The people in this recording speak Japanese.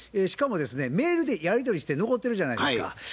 しかもですねメールでやり取りして残ってるじゃないですか。